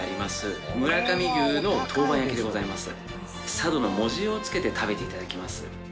佐渡の藻塩をつけて食べて頂きます。